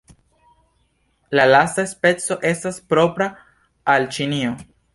La lasta speco estas propra al Ĉinio.